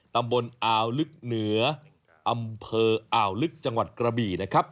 ตำบลอาวลึกเหนืออำเภออ่าวลึกจังหวัดกระบี่นะครับ